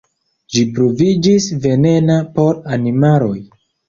Ĝi pruviĝis venena por animaloj.